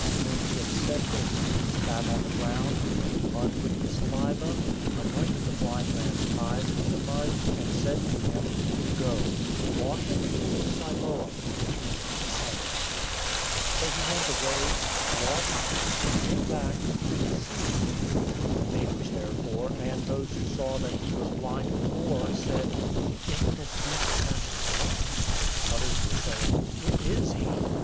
009:006 When he had said this, he spat on the ground, made mud with the saliva, anointed the blind man's eyes with the mud, 009:007 and said to him, "Go, wash in the pool of Siloam" (which means "Sent"). So he went away, washed, and came back seeing. 009:008 The neighbors therefore, and those who saw that he was blind before, said, "Isn't this he who sat and begged?" 009:009 Others were saying, "It is he."